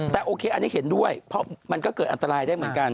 แต่โอเคอันนี้เห็นด้วยเพราะมันก็เกิดอันตรายได้เหมือนกัน